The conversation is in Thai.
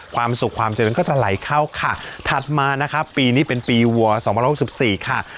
ความสุขความเจริญก็จะไหลเข้าค่ะถัดมานะคะปีนี้เป็นปีวัวสองพันหกสิบสี่ค่ะ